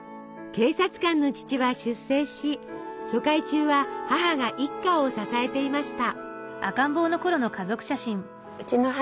警察官の父は出征し疎開中は母が一家を支えていました。